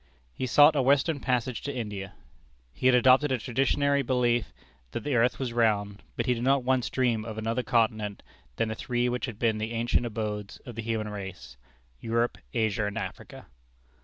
He sought a western passage to India. He had adopted a traditionary belief that the earth was round; but he did not once dream of another continent than the three which had been the ancient abodes of the human race Europe, Asia, and Africa.